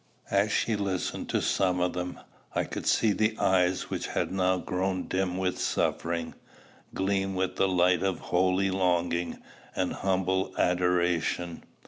As she listened to some of them, I could see the eyes which had now grown dim with suffering, gleam with the light of holy longing and humble adoration.